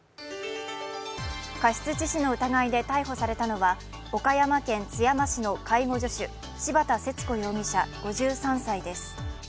過失致死の疑いで逮捕されたのは岡山県津山市の介護助手、柴田節子容疑者５３歳です。